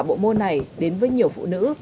bộ môn này đến với nhiều phụ nữ